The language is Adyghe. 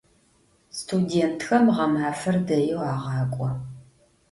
Studêntxem ğemafer deêu ağak'o.